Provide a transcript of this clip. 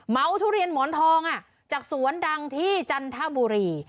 ทุเรียนหมอนทองจากสวนดังที่จันทบุรี